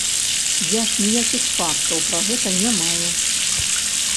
Я ж ніякіх фактаў пра гэта не маю.